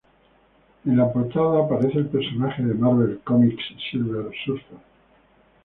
En la portada aparece el personaje de Marvel Comics Silver Surfer.